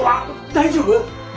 大丈夫？